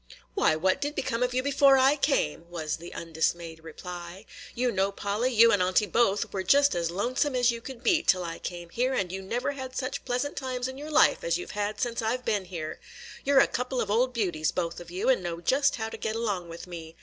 "Why, what did become of you before I came?" was the undismayed reply. "You know, Polly, you and Aunty both were just as lonesome as you could be till I came here, and you never had such pleasant times in your life as you 've had since I 've been here. You 're a couple of old beauties, both of you, and know just how to get along with me.